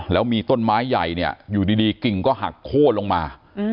แล้วมีต้นไม้ใหญ่เนี่ยอยู่ดีกิ่งก็หักโค้นลงมา